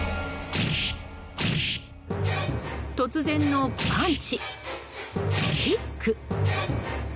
突然のパンチ、キック！